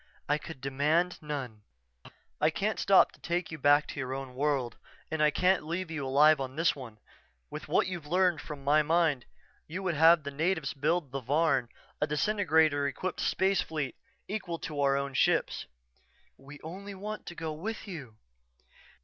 "I could demand none." "I can't stop to take you back to your own world and I can't leave you alive on this one with what you've learned from my mind you would have the natives build the Varn a disintegrator equipped space fleet equal to our own ships." "_We want only to go with you.